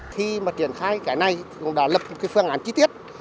khi mà triển khai cái này cũng đã lập một cái phương án chi tiết